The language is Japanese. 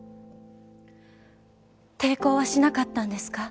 抵抗はしなかったんですか？